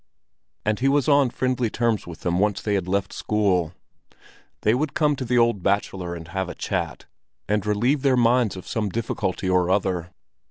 And he was on friendly terms with them once they had left school. They would come to the old bachelor and have a chat, and relieve their minds of some difficulty or other.